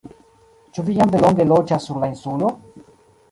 Ĉu vi jam longe loĝas sur la Insulo?